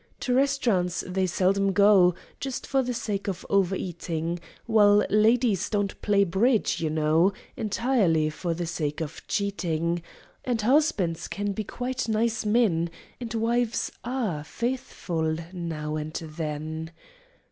To restaurants they seldom go, Just for the sake of over eating; While ladies don't play bridge, you know, Entirely for the sake of cheating; And husbands can be quite nice men, And wives are faithful, now and then.